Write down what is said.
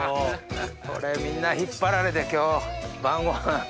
これみんな引っ張られて今日。